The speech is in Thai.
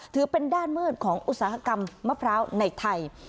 ถือเป็นด้านมืดของอุตสาหกรรมมะพร้าวในไทย